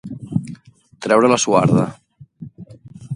Treure la suarda.